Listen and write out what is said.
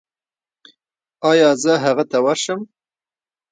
ایا زه هغه ته ورشم؟